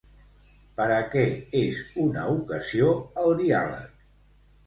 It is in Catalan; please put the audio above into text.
Per a què és una ocasió, el diàleg?